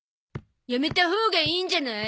やめたほうがいいんじゃない？